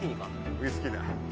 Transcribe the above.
ウイスキーだ。